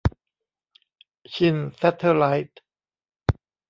ชินแซทเทลไลท์